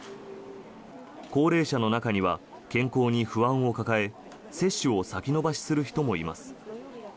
高齢者の中には健康に不安を抱え接種を先延ばしする人もいます。